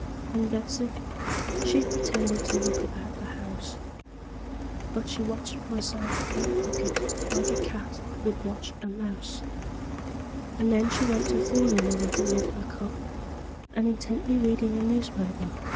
And Betsey, she pretended to look about the house, But she watched my side coat pocket like a cat would watch a mouse: And then she went to foolin' a little with her cup, And intently readin' a newspaper, a holdin' it wrong side up.